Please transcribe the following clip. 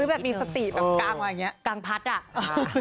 ซื้อแบบมีสติแบบกลางอะไรอย่างเงี้ย